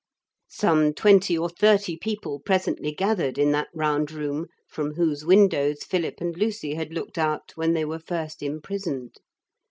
Some twenty or thirty people presently gathered in that round room from whose windows Philip and Lucy had looked out when they were first imprisoned.